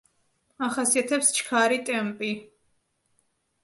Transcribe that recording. ახასიათებს ჩქარი ტემპი.